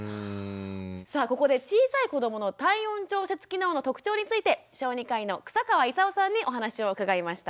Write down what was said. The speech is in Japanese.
さあここで小さい子どもの体温調節機能の特徴について小児科医の草川功さんにお話を伺いました。